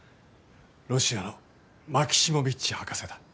ロシアのマキシモヴィッチ博士だ。